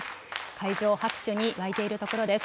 会場、拍手に沸いているところです。